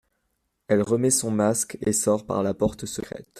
Elle remet son masque, et sort par la porte secrète .